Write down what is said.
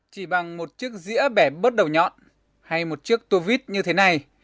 chỉ bằng một chiếc dĩa bẻ bớt đầu nhọn hay một chiếc tô vít như thế này